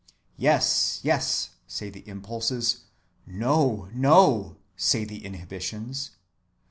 "Yes! yes!" say the impulses; "No! no!" say the inhibitions.